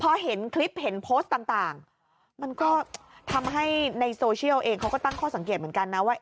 พอเห็นคลิปเห็นโพสต์ต่างมันก็ทำให้ในโซเชียลเองเขาก็ตั้งข้อสังเกตเหมือนกันนะว่า